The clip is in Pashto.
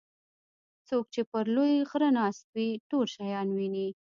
څوک چې پر لوی غره ناست وي ټول شیان ویني.